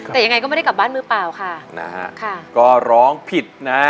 แต่ยังไงก็ไม่ได้กลับบ้านมือเปล่าค่ะนะฮะค่ะก็ร้องผิดนะฮะ